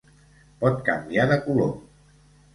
Pot canviar de color.